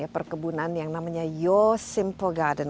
perkebunan yang namanya yo simple garden